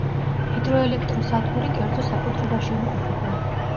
ჰიდროელექტროსადგური კერძო საკუთრებაში იმყოფება.